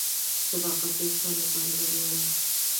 • صداقت د انسان لپاره بریا ده.